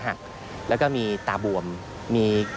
พบหน้าลูกแบบเป็นร่างไร้วิญญาณ